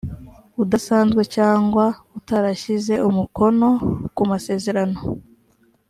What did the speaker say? udasanzwe cyangwa utarashyize umukono ku masezerano